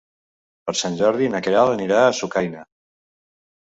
Per Sant Jordi na Queralt anirà a Sucaina.